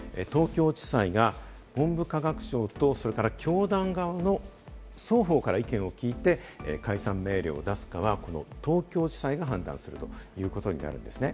請求後は東京地裁が文部科学省と教団側の双方から意見を聞いて、解散命令を出すかは、この東京地裁が判断するということになるんですね。